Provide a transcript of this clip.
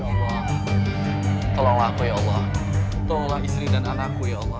ya allah tolonglah aku ya allah tolonglah istri dan anakku ya allah